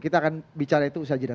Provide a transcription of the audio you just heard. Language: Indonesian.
kita akan bicara itu usaha jeda